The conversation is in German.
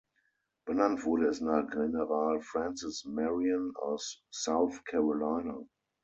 Benannt wurde es nach General Francis Marion aus South Carolina.